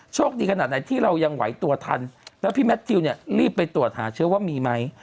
ขนาดไหนที่เรายังไหวตัวทันแล้วพี่แมททิวเนี่ยรีบไปตรวจหาเชื้อว่ามีไหม